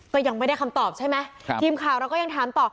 ก็ยังไม่ได้คำตอบใช่ไหมทีมข่าวเราก็ยังถามต่อ